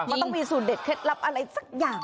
มันต้องมีสูตรเด็ดเคล็ดลับอะไรสักอย่าง